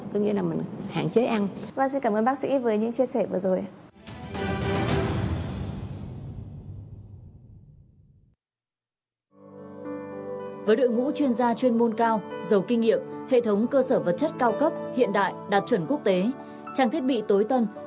có nghĩa là mình hạn chế ăn